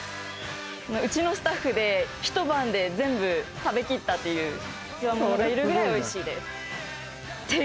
うちのスタッフで一晩で全部食べ切ったっていうつわものがいるぐらいおいしいです。